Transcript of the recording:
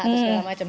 atau segala macem